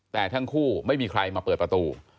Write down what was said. แต่ทั้งคู่ไม่มีใครมาเปิดประตู